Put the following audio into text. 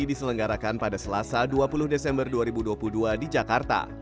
diselenggarakan pada selasa dua puluh desember dua ribu dua puluh dua di jakarta